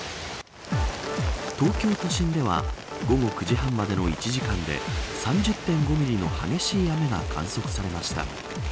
東京都心では午後９時半までの１時間で３０．５ミリの激しい雨が観測されました。